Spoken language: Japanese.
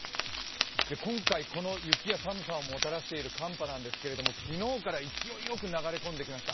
今回、この雪や寒さをもたらしている寒波なんですが昨日から勢いよく流れ込んできました。